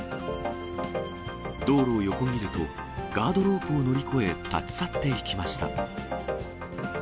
道路を横切ると、ガードロープを乗り越え、立ち去っていきました。